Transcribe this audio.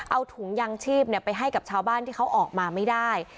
เอาถุงยางชีพไปให้กับชาวบ้านที่เขาออกมาไม่ได้